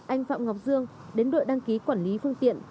anh phạm ngọc dương đến đội đăng ký quản lý phương tiện